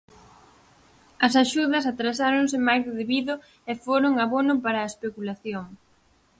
As axudas atrasáronse máis do debido e foron abono para a especulación.